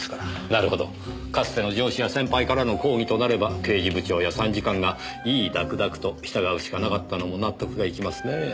なるほどかつての上司や先輩からの抗議となれば刑事部長や参事官が唯々諾々と従うしかなかったのも納得がいきますねぇ。